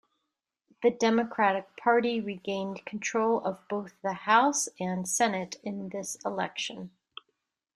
The Democratic Party regained control of both the House and Senate in this election.